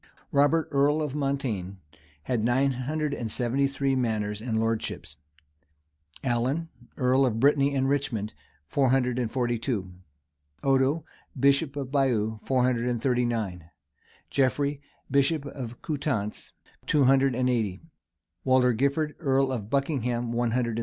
[*] Robert, earl of Mortaigne, had nine hundred and seventy three manors and lordships: Allan, earl of Brittany and Richmond, four hundred and forty two: Odo, bishop of Baieux, four hundred and thirty nine:[] Geoffrey, bishop of Coutance, two hundred and eighty:[] Walter Giffard, earl of Buckingham, one hundred and seven.